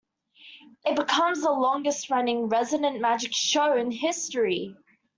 It becomes the longest running "Resident Magic Show" in history.